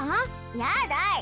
やだい！